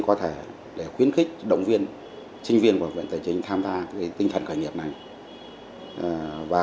có thể để khuyến khích động viên sinh viên của viện tài chính tham gia vào trường học viện tài chính